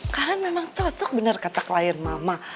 kalian memang cocok bener kata klien mama